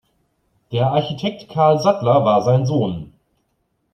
Der Architekt Carl Sattler war sein Sohn.